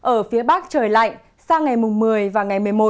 ở phía bắc trời lạnh sang ngày mùng một mươi và ngày một mươi một